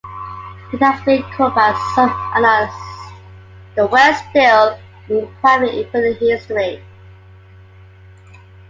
It has been called by some analysts the worst deal in private equity history.